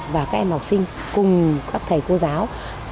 và các em học sinh cùng các thầy cô giáo